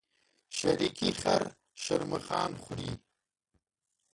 شريکي خر شرمښآن خوري.